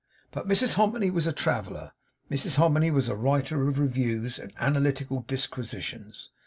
But Mrs Hominy was a traveller. Mrs Hominy was a writer of reviews and analytical disquisitions.